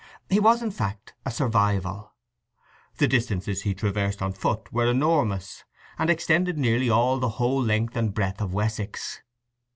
He was, in fact, a survival. The distances he traversed on foot were enormous, and extended nearly the whole length and breadth of Wessex.